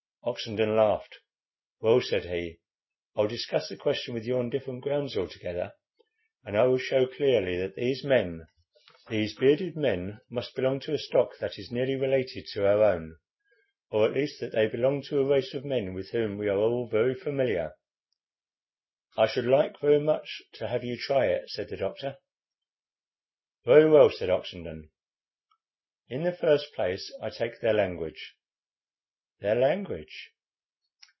Oxenden laughed. "Well," said he, "I'll discuss the question with you on different grounds altogether, and I will show clearly that these men, these bearded men, must belong to a stock that is nearly related to our own, or, at least, that they belong to a race of men with whom we are all very familiar." "I should like very much to have you try it," said the doctor. "Very well," said Oxenden. "In the first place, I take their language." "Their language!"